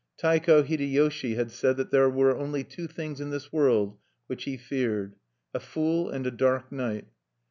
Taiko Hideyoshi had said that there were only two things in this world which he feared, a fool and a dark night.